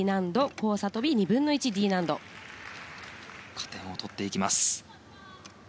加点を取っていきます。